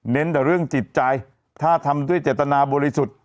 แต่เรื่องจิตใจถ้าทำด้วยเจตนาบริสุทธิ์